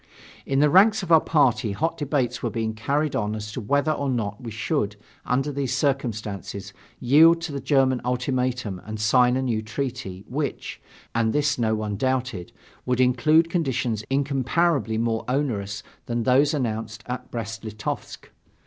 In the ranks of our party hot debates were being carried on as to whether or not we should, under these circumstances, yield to the German ultimatum and sign a new treaty, which and this no one doubted would include conditions incomparably more onerous than those announced at Brest Litovsk.